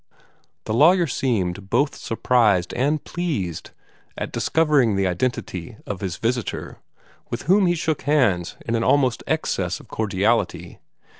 The lawyer seemed both surprised and pleased at discovering the identity of his visitor, with whom he shook hands in almost an excess of cordiality.